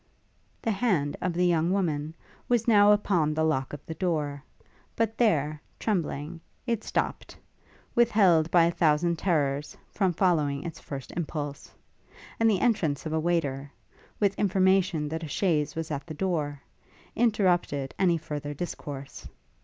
The hand of the young woman was now upon the lock of the door, but there, trembling, it stopt, withheld by a thousand terrors from following its first impulse; and the entrance of a waiter, with information that a chaise was at the door, interrupted any further discourse.